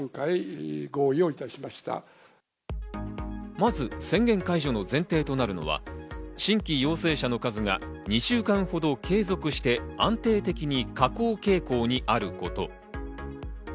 まず宣言解除の前提となるのは新規陽性者の数が２週間ほど継続して安定的に下降傾向にあること。